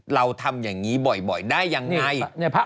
เราทำอย่างนี้บ่อยได้ยังไง